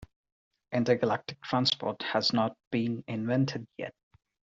Intergalactic transport has not been invented yet.